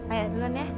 ayah duluan ya